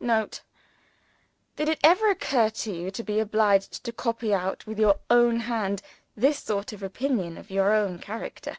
[Note. Did it ever occur to you to be obliged to copy out, with your own hand, this sort of opinion of your own character?